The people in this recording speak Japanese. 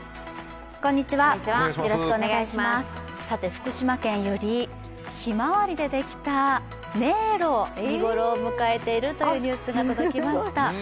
福島県よりひまわりでできた迷路見頃を迎えているというニュースが届きました